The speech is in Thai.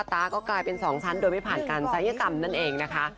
ตาก็กลายเป็น๒ชั้นโดยไม่ผ่านการศัยกรรมนั่นเองนะคะ